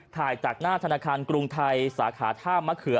จากหน้าธนาคารกรุงไทยสาขาท่ามะเขือ